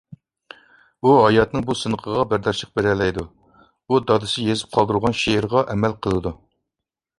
ئۇ ھاياتنىڭ بۇ سىنىقىغا بەرداشلىق بېرەلەيدۇ. ئۇ دادىسى يېزىپ قالدۇرغان شېئىرغا ئەمەل قىلىدۇ